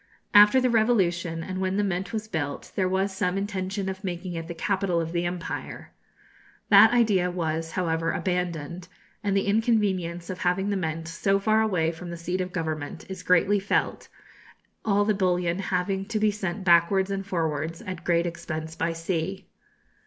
After the revolution, and when the Mint was built, there was some intention of making it the capital of the empire. That idea was, however, abandoned; and the inconvenience of having the Mint so far away from the seat of government is greatly felt, all the bullion having to be sent backwards and forwards at great expense by sea.